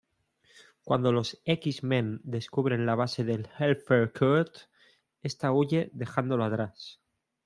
Cuando los X-Men descubren la base del Hellfire Cult, esta huye dejándolo atrás.